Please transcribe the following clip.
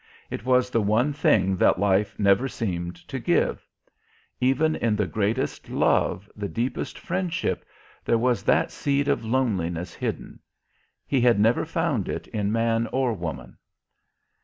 It was the one thing that life never seemed to give; even in the greatest love, the deepest friendship, there was that seed of loneliness hidden. He had never found it in man or woman.